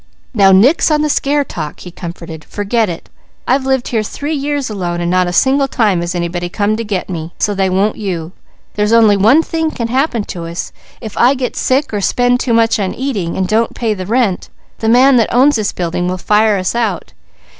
"Now nix on the scare talk," he comforted. "Forget it! I've lived here three years alone, and not a single time has anybody come to 'get' me, so they won't you. There's only one thing can happen us. If I get sick or spend too much on eating, and don't pay the rent, the man that owns this building will fire us out.